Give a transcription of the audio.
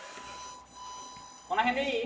この辺でいい？